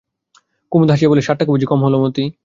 কুমুদ হাসিয়া বলিল, সাত টাকা বুঝি কম হল মতি?